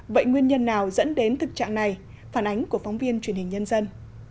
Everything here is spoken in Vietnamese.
vậy nguyên nhân nào dẫn đến thực trạng này phản ánh của phóng viên truyền hình nhân dân